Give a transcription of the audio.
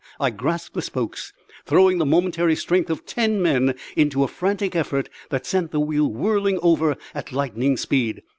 I grasped the spokes, throwing the momentary strength of ten men into a frantic effort that sent the wheel whirling over at lightning speed.